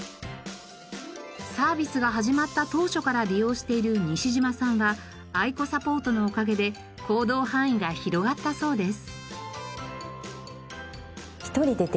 サービスが始まった当初から利用している西島さんはアイコサポートのおかげで行動範囲が広がったそうです。